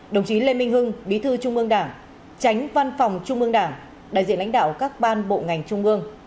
đồng chí lê minh hưng bí thư trung ương đảng tránh văn phòng trung ương đảng đại diện lãnh đạo các ban bộ ngành trung ương